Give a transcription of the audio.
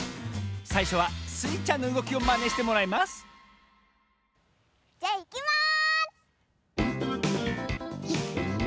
さいしょはスイちゃんのうごきをマネしてもらいますじゃいきます！